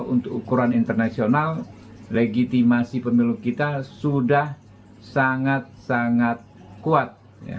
untuk ukuran internasional legitimasi pemilu kita sudah sangat sangat kuat